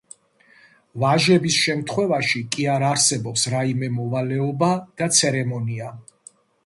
ვაჟების შემთხვევაში კი არ არსებობს რაიმე მოვალეობა და ცერემონია.